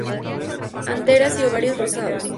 Anteras y ovarios rosados.